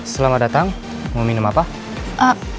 selamat datang mau minum apa